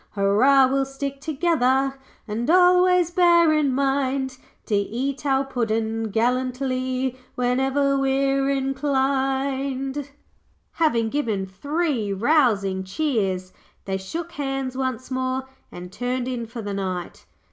'Hurrah, we'll stick together, And always bear in mind To eat our puddin' gallantly, Whenever we're inclined.' Having given three rousing cheers, they shook hands once more and turned in for the night.